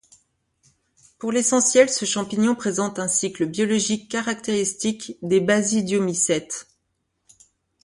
Pour l'essentiel, ce champignon présente un cycle biologique caractéristique des basidiomycètes.